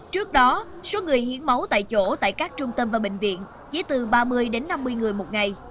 trước đó số người hiến máu tại chỗ tại các trung tâm và bệnh viện chỉ từ ba mươi đến năm mươi người một ngày